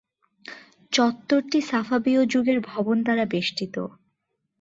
চত্বরটি সাফাবীয় যুগের ভবন দ্বারা বেষ্টিত।